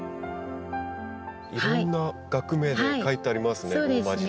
いろんな学名が書いてありますねローマ字で。